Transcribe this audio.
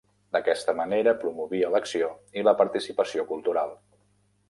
D’aquesta manera promovia l’acció i la participació cultural.